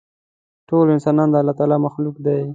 ټول انسانان د الله مخلوقات دي.